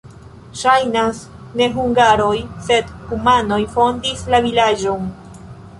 Ŝajnas, ne hungaroj, sed kumanoj fondis la vilaĝon.